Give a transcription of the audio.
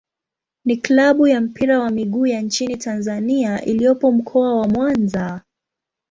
ni klabu ya mpira wa miguu ya nchini Tanzania iliyopo Mkoa wa Mwanza.